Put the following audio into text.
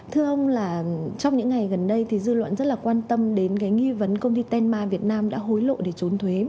thưa ông là trong những ngày gần đây thì dư luận rất là quan tâm đến cái nghi vấn công ty tenma việt nam đã hối lộ để trốn thuế